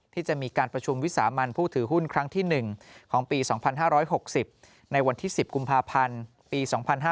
ที่จะมีการประชุมวิสามันผู้ถือหุ้นครั้งที่๑ของปี๒๕๖๐ในวันที่๑๐กุมภาพันธ์ปี๒๕๕๙